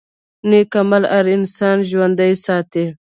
نیک عمل انسان ژوندی ساتي